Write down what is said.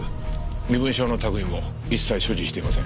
身分証の類も一切所持していません。